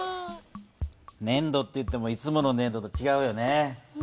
ねん土っていってもいつものねん土とちがうよね。